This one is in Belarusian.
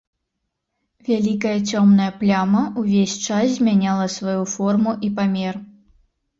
Вялікая цёмная пляма ўвесь час змяняла сваю форму і памер.